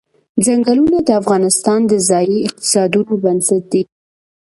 ځنګلونه د افغانستان د ځایي اقتصادونو بنسټ دی.